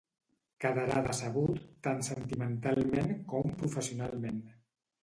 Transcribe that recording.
Quedarà decebut tant sentimentalment com professionalment.